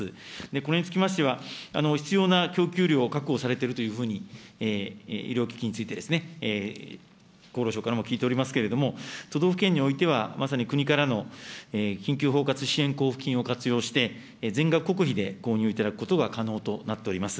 これにつきましては、必要な供給量を確保されているというふうに、医療機器についてですね、厚労省からも聞いておりますけれども、都道府県においては、まさに国からの緊急包括支援交付金を活用して、全額国費で購入いただくことが可能となっております。